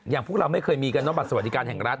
พวกเราไม่เคยมีกันว่าบัตรสวัสดิการแห่งรัฐ